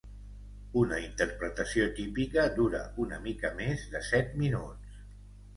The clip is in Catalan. Una interpretació típica dura una mica més de set minuts.